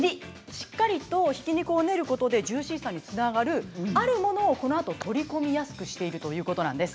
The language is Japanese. しっかりとひき肉を練ることでジューシーさにつながるあるものをこのあと取り込みやすくしているということなんです。